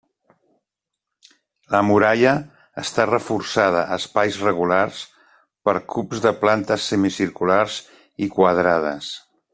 La muralla està reforçada a espais regulars per cubs de plantes semicirculars i quadrades.